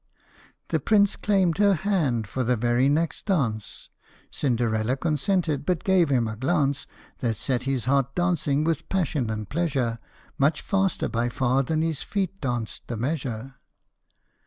The Prince claimed her hand for the very next dance ; Cinderella consented, but gave him a glance That set his heart dancing with passion and pleasure Much faster by far than his feet danced the measure.